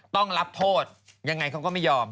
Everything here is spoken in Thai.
ต้องรับโทษยังไงเขาก็ไม่ยอม